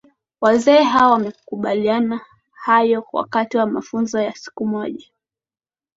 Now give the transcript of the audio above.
Wazee hao wamekubaliana hayo wakati wa mafunzo ya siku moja